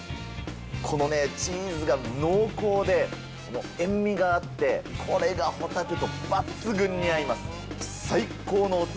このね、チーズが濃厚で、塩味があって、これがホタテと抜群に合います。